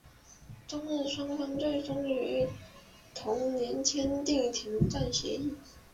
中日双方最终于同年签订停战协定。